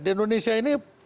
di indonesia ini